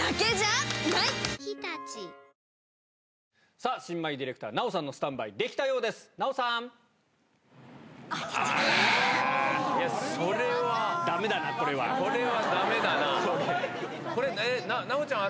さあ、新米ディレクター、奈緒さんのスタンバイ出来たようです。こんにちは。